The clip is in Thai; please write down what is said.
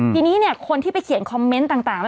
ทีนี้คนที่ไปเขียนคอมเมนต์ต่าง